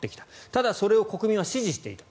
ただ、それを国民は支持していた。